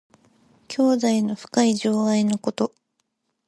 兄弟の深い情愛のこと。